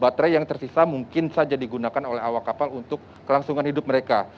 baterai yang tersisa mungkin saja digunakan oleh awak kapal untuk kelangsungan hidup mereka